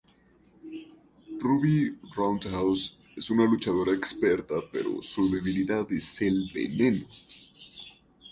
Ruby Roundhouse es una luchadora experta, pero su debilidad es el veneno.